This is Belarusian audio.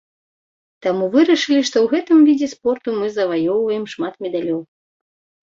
Таму вырашылі, што ў гэтым відзе спорту мы заваёўваем шмат медалёў.